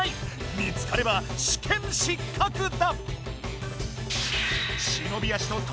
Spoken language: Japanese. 見つかれば試験失格だ！